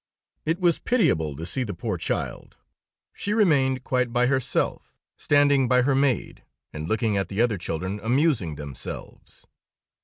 "It was pitiable to see the poor child. She remained quite by herself, standing by her maid, and looking at the other children amusing themselves.